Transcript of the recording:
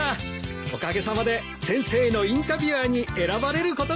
おかげさまで先生のインタビュアーに選ばれることができました！